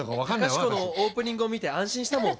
隆子のオープニングを見て安心したもん。